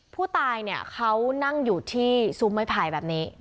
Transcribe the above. ผู้ตายเนี่ยเขานั่งอยู่ที่ซุ้มไม้ไผ่แบบนี้